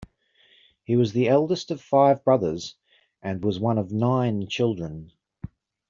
He was the eldest of five brothers and was one of nine children.